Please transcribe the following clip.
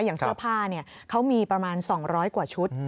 อย่างเสื้อผ้าเขามีประมาณ๒๐๐กว่าชุด